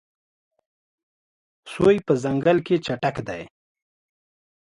سوی په ځنګل کې چټک دی.